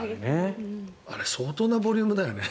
あれ相当なボリュームだよね。